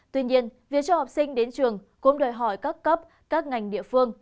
tuy nhiên việc cho học sinh đến trường cũng đòi hỏi các cấp các ngành địa phương